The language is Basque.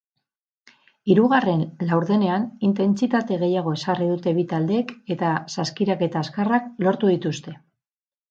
Hirugarren laurdenean intentsitate gehiago ezarri dute bi taldeek eta saskiraketa azkarrak lortu dituzte.